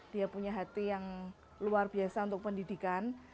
dia punya hati yang luar biasa untuk pendidikan